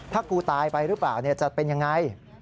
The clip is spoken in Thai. ถ้ากูตายไปหรือเปล่าจะเป็นยังไง